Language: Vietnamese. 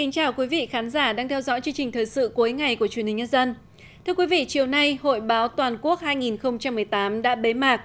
các bạn hãy đăng ký kênh để ủng hộ kênh của chúng mình nhé